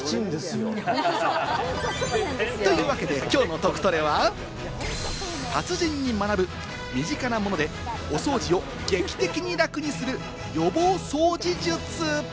というわけで、きょうのトクトレは、達人に学ぶ身近なものでお掃除を劇的に楽にする予防掃除術。